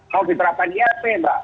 kalau diterapkan irp mbak